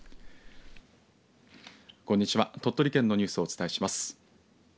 こんにちは、鳥取県のニュースをお伝えします。